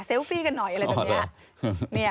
ฟี่กันหน่อยอะไรแบบนี้